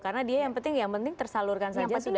karena dia yang penting tersalurkan saja sudah selesai